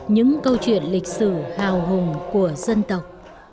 những câu chuyện lịch sử hào hùng của dân tộc